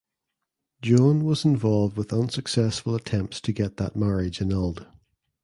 Joan was involved with unsuccessful attempts to get that marriage annulled.